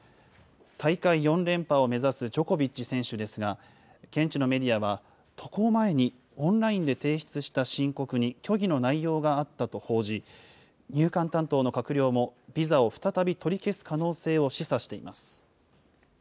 大会４連覇を目指すジョコビッチ選手ですが、現地のメディアは、渡航前にオンラインで提出した申告に虚偽の内容があったと報じ、入管担当の閣僚も、ビザを再び取り消す可能性を示唆しています。